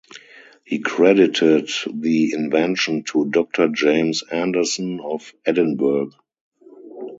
He credited the invention to Doctor James Anderson of Edinburgh.